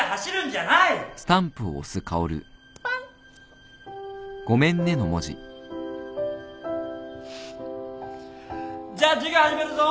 じゃ授業始めるぞ。